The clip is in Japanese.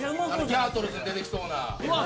『ギャートルズ』に出てきそうな。